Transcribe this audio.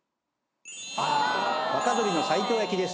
若鶏の西京焼きです。